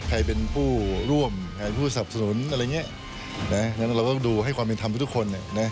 ใครเป็นผู้ร่วมใครผู้สับสนุนอะไรอย่างนี้เราต้องดูให้ความเป็นธรรมทุกคน